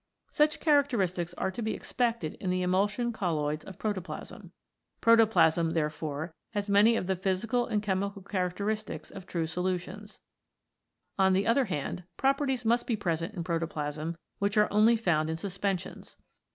Such characteristics are to be expected in the emulsion colloids of protoplasm. Protoplasm, 32 COLLOIDS IN PROTOPLASM therefore, has many of the physical and chemical characteristics of true solutions. On the other hand, properties must be present in protoplasm which are only found in suspensions.